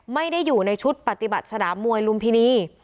ไม่ได้อยู่ในชุดปฏิบัติสนามมวยลุมพินี